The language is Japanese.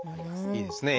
いいですね